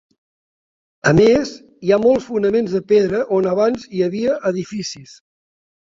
A més, hi ha molts fonaments de pedra on abans hi havia edificis.